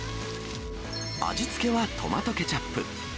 味付けはトマトケチャップ。